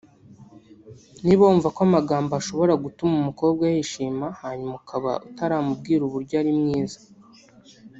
Niba wumva ko amagambo ashobora gutuma umukobwa yishima hanyuma ukaba utaramubwira uburyo ari mwiza